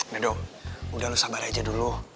nedo udah lu sabar aja dulu